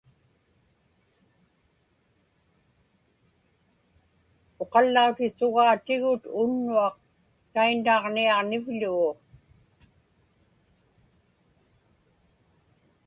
Uqallautisugaatigut unnuaq tainnaġniaġnivḷugu.